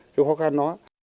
cái khó khăn đó